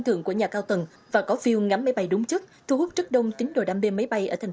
tầng và cao tầng và có view ngắm máy bay đúng chất thu hút rất đông tín đồ đam mê máy bay ở thành